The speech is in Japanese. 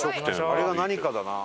あれが何かだな。